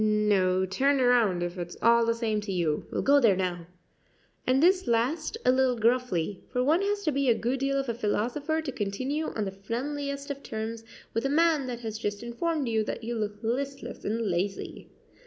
"No; turn round; if it's all the same to you we'll go there now;" and this last a little gruffly; for one has to be a good deal of a philosopher to continue on the friendliest of terms with a man that has just informed you that you look listless and lazy.